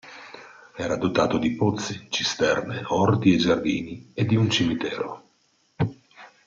Era dotato di pozzi, cisterne, orti e giardini, e di un cimitero.